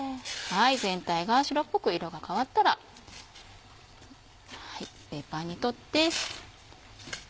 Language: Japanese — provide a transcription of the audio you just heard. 全体が白っぽく色が変わったらペーパーに取って。